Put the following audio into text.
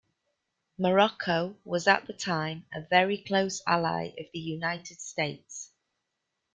Morocco was at the time a very close ally of the United States.